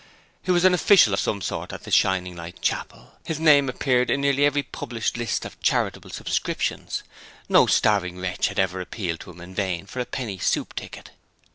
He was an official of some sort of the Shining Light Chapel. His name appeared in nearly every published list of charitable subscriptions. No starving wretch had ever appealed to him in vain for a penny soup ticket.